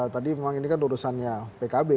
tadi memang ini kan urusannya pkb